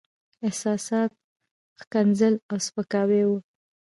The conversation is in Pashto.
احساسات، ښکنځل او سپکاوي وو.